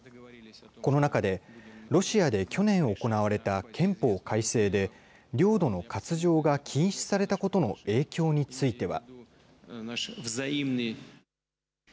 この中で、ロシアで去年行われた憲法改正で、領土の割譲が禁止されたことの影響については。